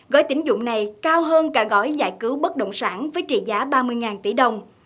gói tính dụng này cao hơn cả gói giải cứu bất động sản với trị giá ba mươi tỷ đồng